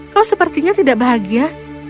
kau sepertinya tidak bahagia